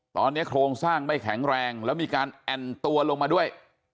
ตอนนี้โครงสร้างไม่แข็งแรงแล้วมีการแอ่นตัวลงมาด้วย